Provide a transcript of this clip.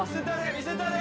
見せたれ！